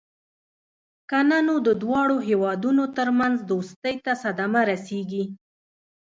کنه نو د دواړو هېوادونو ترمنځ دوستۍ ته صدمه رسېږي.